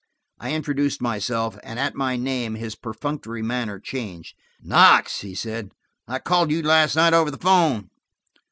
I introduced myself, and at my name his perfunctory manner changed. "Knox!" he said. "I called you last night over the 'phone."